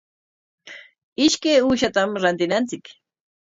Ishkay uushatam rantinanchik.